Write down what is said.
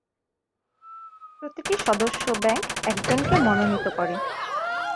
প্রতিটি সদস্য ব্যাংক একজনকে মনোনীত করে।